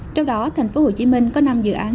trong đó thành phố hồ chí minh có năm dự án